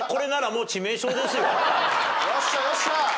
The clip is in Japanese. ・よっしゃよっしゃ！